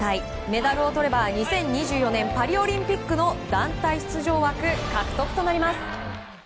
メダルをとれば２０２４年パリオリンピックの団体出場枠獲得となります。